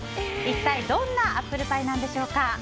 一体どんなアップルパイなんでしょうか。